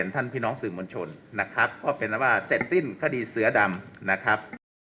ท่านพี่น้องสื่อมวลชนนะครับก็เป็นแล้วว่าเสร็จสิ้นคดีเสือดำนะครับ